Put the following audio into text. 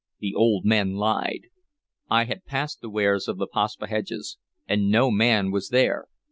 The old men lied. I had passed the weirs of the Paspaheghs, and no man was there.